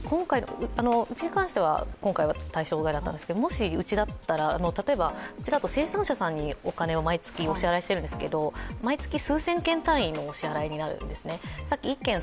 うちに関しては、今回は対象外だったんですけど、もしうちだったら、例えばうちだと生産者さんにお金を毎月お支払いしているんですけど毎月数千件単位のお支払いになるんですね。